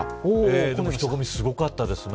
人混み、すごかったです。